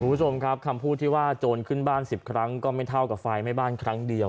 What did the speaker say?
คุณผู้ชมครับคำพูดที่ว่าโจรขึ้นบ้าน๑๐ครั้งก็ไม่เท่ากับไฟไหม้บ้านครั้งเดียว